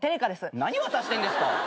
何渡してんですか。